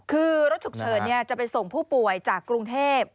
คือรถฉุกเฉินจะไปส่งผู้ป่วยจากกรุงเทพ